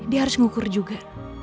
dia harus ngukur juga